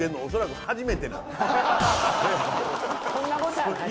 そんなことはない。